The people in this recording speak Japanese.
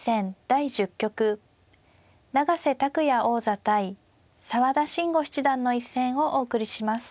第１０局永瀬拓矢王座対澤田真吾七段の一戦をお送りします。